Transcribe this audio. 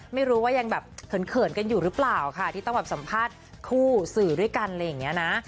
ไม่รู้ว่ายังแบบเขินกันอยู่หรือเปล่าค่ะที่ต้องแบบสัมภาษณ์คู่สื่อด้วยกันอะไรอย่างนี้นะ